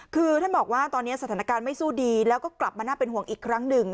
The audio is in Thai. คือท่านบอกว่าตอนนี้สถานการณ์ไม่สู้ดีแล้วก็กลับมาน่าเป็นห่วงอีกครั้งหนึ่ง